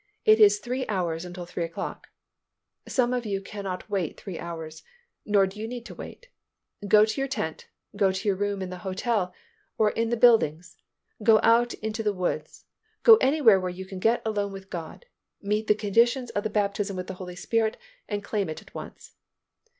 It is three hours until three o'clock. Some of you cannot wait three hours, nor do you need to wait. Go to your tent, go to your room in the hotel or in the buildings, go out into the woods, go anywhere, where you can get alone with God, meet the conditions of the baptism with the Holy Spirit and claim it at once."